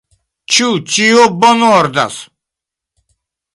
Ĉu ĉio bonordas?